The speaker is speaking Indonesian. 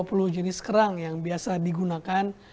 dari sekitar dua puluh jenis kerang yang biasa digunakan